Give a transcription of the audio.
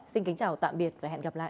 xin kính chào tạm biệt và hẹn gặp lại